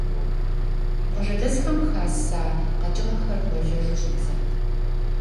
Къуажэдэсхэм хаса къэкӏыгъэхэр гъуэлэжу щӏидзат.